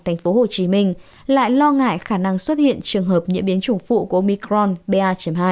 thành phố hồ chí minh lại lo ngại khả năng xuất hiện trường hợp nhiễm biến chủng phụ của micron ba hai